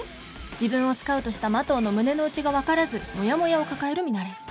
自分をスカウトした麻藤の胸の内がわからずモヤモヤを抱えるミナレ